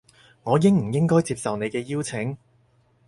我應唔應該接受你嘅邀請